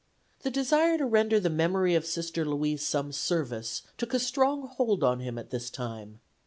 The desire to render the memory of Sister Louise some service took a strong hold on him at this time.